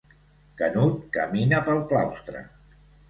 Canut camina pel claustre.